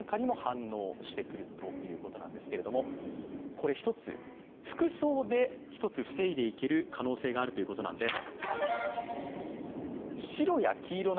これ一つ、服装で防いでいける可能性があるということなんです。